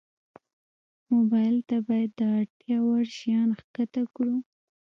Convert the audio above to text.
موبایل ته باید د اړتیا وړ شیان ښکته کړو.